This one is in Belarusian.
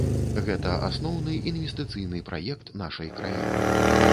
Гэта асноўны інвестыцыйны праект нашай краіны.